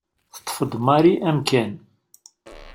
Teṭṭef-d Mari amkan.